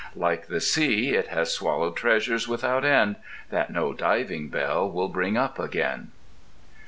Like the sea, it has swallowed treasures without end, that no diving bell will bring up again.